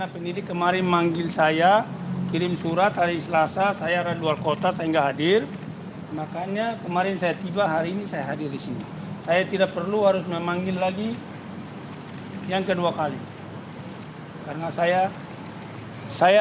pemeriksaan terhadap hercules diperiksa dalam pemeriksaan terkait kapasitasnya sebagai tenaga ahli pd pasar jaya